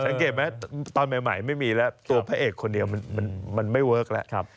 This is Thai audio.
สังเกตไหมตอนใหม่ไม่มีแล้วตัวพระเอกคนเดียวมันไม่เวิร์คแล้ว